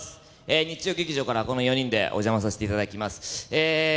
日曜劇場からこの４人でお邪魔させていただきます